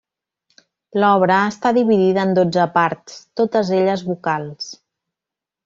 L'obra està dividida en dotze parts, totes elles vocals.